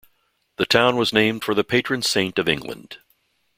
The town was named for the patron saint of England.